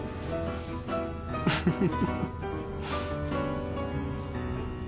ンフフフ。